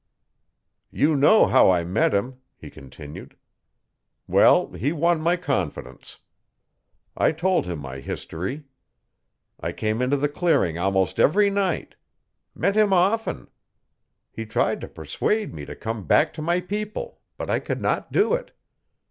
'You know how I met him,' he continued. 'Well, he won my confidence. I told him my history. I came into the clearing almost every night. Met him often. He tried to persuade me to come back to my people, but I could not do it.